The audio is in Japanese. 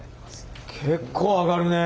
結構上がるね。